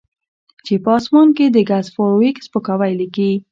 چې په اسمان کې د ګس فارویک سپکاوی لیکي